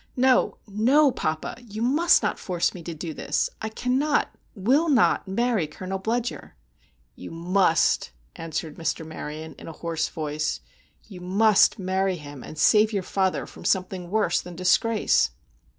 "No, no, papa. You must not force me to this! I cannot—will not—marry Colonel Bludyer!" "You must," answered Mr. Maryon, in a hoarse voice; "you must marry him, and save your father from something worse than disgrace!"